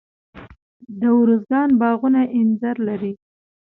د ارزګان باغونه انځر لري.